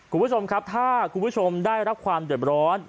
คุณผู้ชมครับถ้าคุณผู้ชมได้รับความเดือดร้อน